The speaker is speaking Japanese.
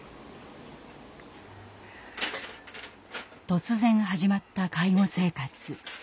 突然始まった介護生活。